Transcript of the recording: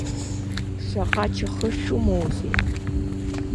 Шаҟа чахы шәымоузеи?